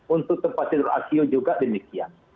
untuk tempat tidur icu juga demikian